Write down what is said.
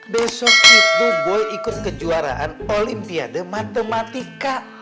besok itu boleh ikut kejuaraan olimpiade matematika